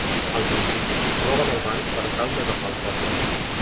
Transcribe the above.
Al principi, roben el banc per tal d’agafar el cofre.